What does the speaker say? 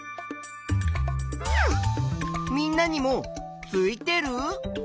みんなにもついてる？